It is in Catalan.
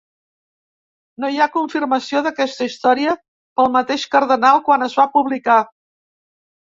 No hi ha confirmació d'aquesta història pel mateix cardenal quan es va publicar.